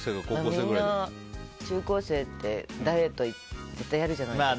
みんな中高生って、ダイエット絶対やるじゃないですか。